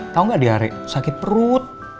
tau gak diare sakit perut